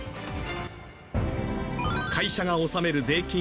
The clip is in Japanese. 会社が納める税金